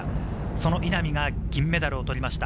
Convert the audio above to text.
その稲見が銀メダルを取りました。